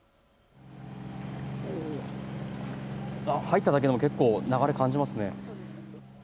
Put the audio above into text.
入っただけでも結構流れ、感じますね。